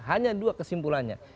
hanya dua kesimpulannya